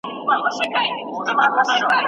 د رڼو اوښکو د پردو تر شا ښکاریږي وطن